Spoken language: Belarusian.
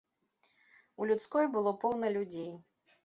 У людской было поўна людзей.